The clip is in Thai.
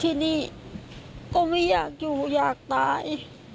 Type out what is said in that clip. ที่นี่ก็ไม่อยากอยู่อยากตาย